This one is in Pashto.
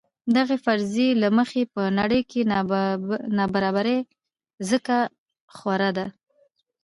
دغې فرضیې له مخې په نړۍ کې نابرابري ځکه خوره ده.